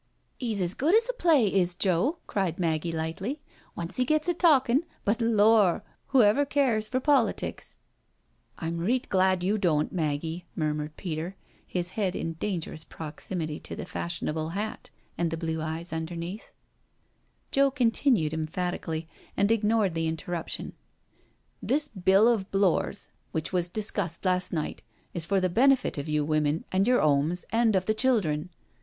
" 'E's as good as a play, is Joe," cried Maggie lightly, once 'e gets a talkin', but lor' I w'oever cares for politics I" " I'm reet glad you doan't, Maggie," murmured Peter, his head in dangerous proximity to the fashion able hat and the blue eyes beneath it. Joe continued emphatically, and ignoring the in terruption, " This Bill of Blore's, which was discussed last night, is for the benefit of you women and your 'omes, and of the children.